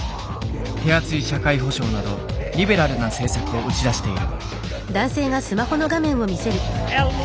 手厚い社会保障などリベラルな政策を打ち出している。